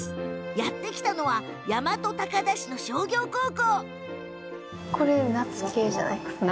やって来たのは大和高田市の商業高校。